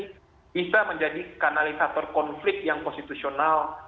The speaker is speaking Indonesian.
bisa menjadi kanalisator konflik yang konstitusional